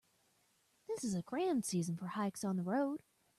This is a grand season for hikes on the road.